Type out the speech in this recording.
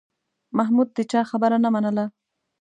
محمود د چا خبره نه منله.